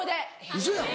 ウソやん。